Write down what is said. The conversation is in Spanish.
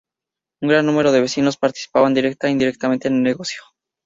Un gran número de vecinos participaban directa o indirectamente en el negocio.